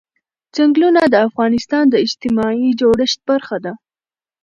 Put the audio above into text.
ځنګلونه د افغانستان د اجتماعي جوړښت برخه ده.